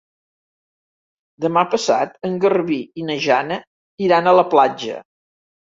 Demà passat en Garbí i na Jana iran a la platja.